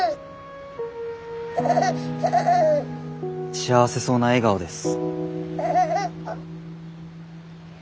幸せそうな笑顔です。